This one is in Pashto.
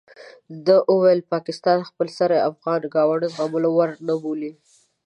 ده وویل پاکستان د خپل سرۍ افغان ګاونډ زغملو وړ نه بولي.